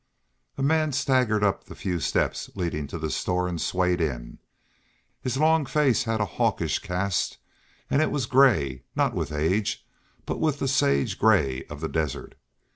A man staggered up the few steps leading to the store and swayed in. His long face had a hawkish cast, and it was gray, not with age, but with the sage gray of the desert.